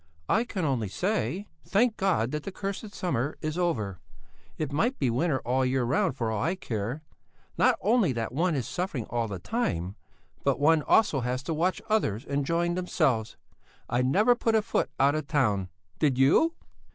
"I can only say: Thank God that the cursed summer is over! It might be winter all the year round for all I care! Not only that one is suffering all the time, but one also has to watch others enjoying themselves! I never put a foot out of town; did you?"